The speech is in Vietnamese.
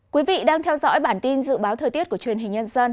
quý vị đang theo dõi bản tin dự báo thời tiết của truyền hình nhân dân